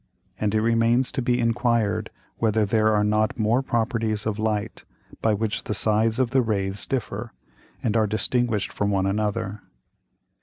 And it remains to be enquired, whether there are not more Properties of Light by which the Sides of the Rays differ, and are distinguished from one another.